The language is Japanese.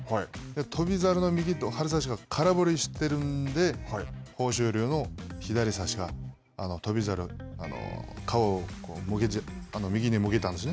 翔猿の張り差しが空振りしているので豊昇龍の左差しが翔猿は顔を右に向けたんですね。